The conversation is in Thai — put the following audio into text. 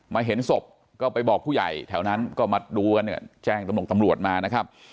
เห็นศพก็ไปบอกผู้ใหญ่แถวนั้นก็มาดูกันเนี่ยแจ้งตำรวจตำรวจมานะครับ